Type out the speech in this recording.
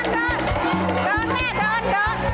ดีมาก